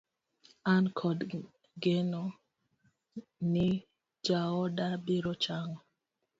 An kod geno ni jaoda biro chango